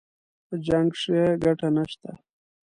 په جـنګ كښې ګټه نشته